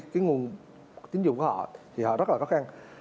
cái nguồn tín dụng của họ thì họ rất là khó khăn